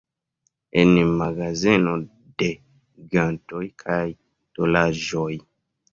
En magazeno de gantoj kaj tolaĵoj.